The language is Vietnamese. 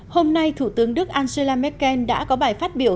hôm nay thủ tướng đức angela merkel đã có bài phát biểu